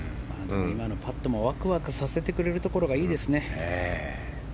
今のパットもワクワクさせてくれるところがいいですね。